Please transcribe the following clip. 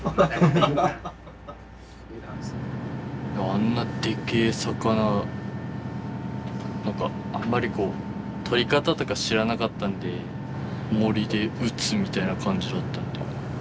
あんなでっけえ魚何かあんまりこう獲り方とか知らなかったんで銛で撃つみたいな感じだったんで。